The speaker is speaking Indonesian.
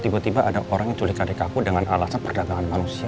tiba tiba ada orang yang culik adik aku dengan alasan perdagangan manusia